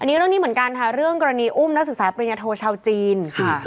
อันนี้เรื่องนี้เหมือนกันค่ะเรื่องกรณีอุ้มนักศึกษาปริญญาโทชาวจีนค่ะ